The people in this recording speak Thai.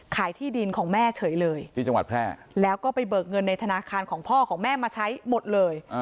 ที่ดินของแม่เฉยเลยที่จังหวัดแพร่แล้วก็ไปเบิกเงินในธนาคารของพ่อของแม่มาใช้หมดเลย